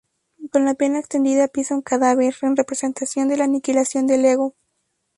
Con la pierna extendida pisa un cadáver, en representación de la aniquilación del ego.